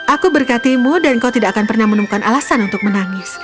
aku berkatimu dan kau tidak akan pernah menemukan alasan untuk menangis